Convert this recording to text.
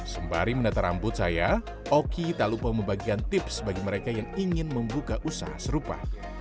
sembari menata rambut saya oki tak lupa membagikan tips bagi mereka yang ingin membuka usaha serupa